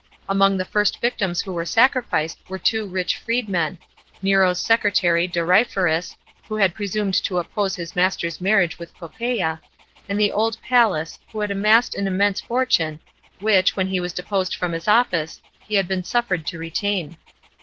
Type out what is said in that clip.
Among the first victims who were saciificed were two rich freedmen : Nero's secretary Doryphorns, who had presumed to oppose his master's marriage with Poppsea, and the old Pallas, who had amassed an immense fortune, which, when he was deposed from his office, he had been suffered to retain.